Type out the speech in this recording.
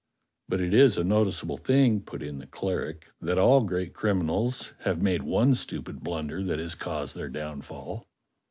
"But it is a noticeable thing," put in the cleric, " that all great criminals have made one stupid blunder that has caused their downfall."